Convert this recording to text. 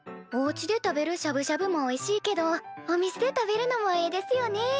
おうちで食べるしゃぶしゃぶもおいしいけどお店で食べるのもええですよね。